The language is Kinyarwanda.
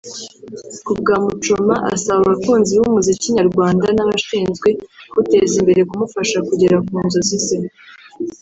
Ku bwa Muchoma asaba abakunzi b’umuziki nyarwanda n’abashinzwe kuwuteza imbere kumufasha kugera ku nzozi ze